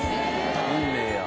運命や。